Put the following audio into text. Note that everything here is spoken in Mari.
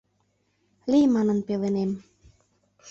Лий манын пеленем